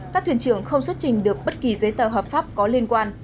các thuyền trưởng không xuất trình được bất kỳ giấy tờ hợp pháp có liên quan